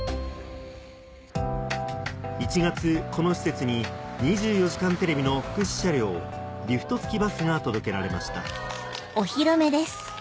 １月この施設に『２４時間テレビ』の福祉車両リフト付きバスが届けられました・うわすごい・・